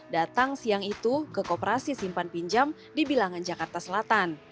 datang siang itu ke kooperasi simpan pinjam di bilangan jakarta selatan